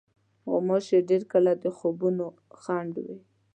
غوماشې ډېر کله د خوبونو خنډ وي.